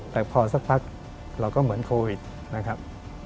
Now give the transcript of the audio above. แต่พอสักพักเราก็เหมือนโควิดนะครับ